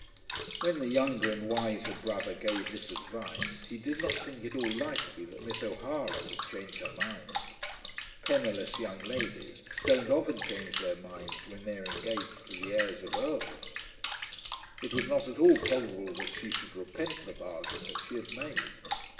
When the younger and wiser brother gave this advice he did not think it all likely that Miss O'Hara would change her mind. Penniless young ladies don't often change their minds when they are engaged to the heirs of Earls. It was not at all probable that she should repent the bargain that she had made.